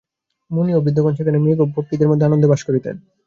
মুনি ও বৃদ্ধগণ সেখানে মৃগ ও পক্ষীদের মধ্যে আনন্দে বাস করিতেন।